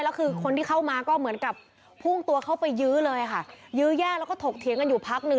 แล้วคือคนที่เข้ามาก็เหมือนกับพุ่งตัวเข้าไปยื้อเลยค่ะยื้อแย่แล้วก็ถกเถียงกันอยู่พักนึง